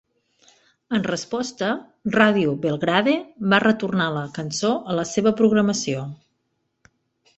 En resposta, Radio Belgrade va retornar la cançó a la seva programació.